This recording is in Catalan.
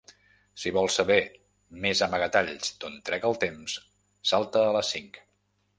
Si vols saber més amagatalls d'on trec el temps, salta a les cinc.